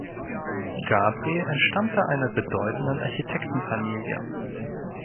Gabriel entstammte einer bedeutenden Architektenfamilie.